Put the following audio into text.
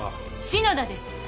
篠田です。